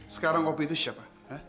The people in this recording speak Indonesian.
sekarang opi itu siapa